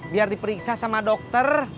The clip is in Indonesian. biar diperiksa sama dokter